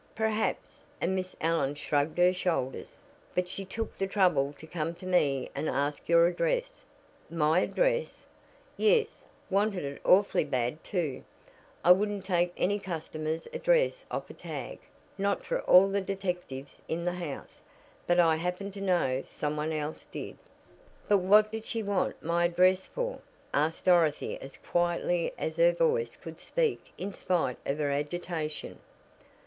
"Perhaps," and Miss Allen shrugged her shoulders; "but she took the trouble to come to me and ask your address." "My address!" "Yes; wanted it awfully bad, too. I wouldn't take any customer's address off a tag; not for all the detectives in the house. But I happen to know some one else did." "But what did she want my address for?" asked Dorothy as quietly as her voice could speak in spite of her agitation.